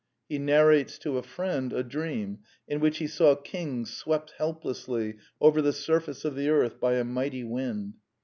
He narrates to a friend a dream in which he saw kings swept helplessly over the surface of the earth by a mighty wind.